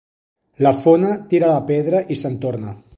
La fona tira la pedra i se'n torna.